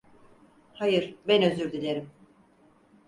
Hayır, ben özür dilerim.